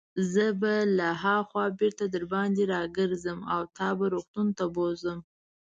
زه به له هاخوا بیرته درباندې راګرځم او تا به روغتون ته بوزم.